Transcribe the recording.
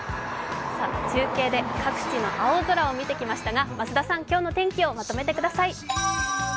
中継で各地の青空を見てきましたが増田さん、今日の天気をまとめてください。